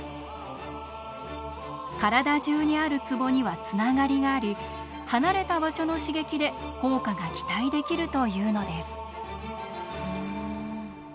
体中にあるツボにはつながりがあり離れた場所の刺激で効果が期待できるというのです。